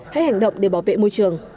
hãy hành động để bảo vệ môi trường